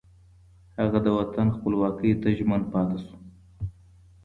هغه د وطن خپلواکۍ ته ژمن پاتې شو